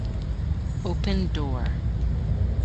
open, door!